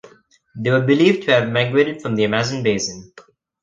They were believed to have migrated from the Amazon Basin.